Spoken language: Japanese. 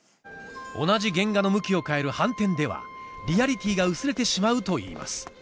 同じ原画の向きを変える反転ではリアリティーが薄れてしまうといいます